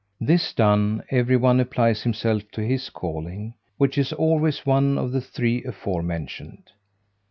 This done, every one applies himself to his calling, which is always one of the three afore mentioned.